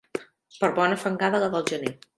Per bona fangada la del gener.